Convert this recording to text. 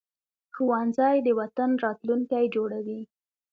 ښوونځی د وطن راتلونکی جوړوي